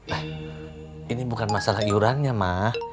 nah ini bukan masalah iurannya mah